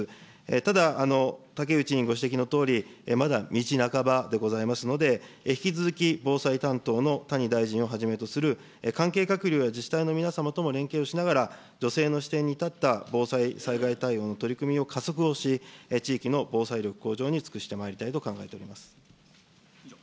ただ、竹内委員ご指摘のとおり、まだ道半ばでございますので、引き続き防災担当の谷大臣をはじめとする、自治体の皆様とも連携をしながら、女性の視点に立った防災、災害対応の取り組みを加速をし、地域の防災力向上に尽くしてまいりたいと考えております。